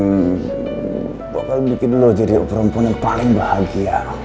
gua bakal bikin lu jadi perempuan yang paling bahagia